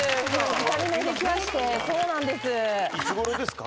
２人目できましてそうなんですいつごろですか？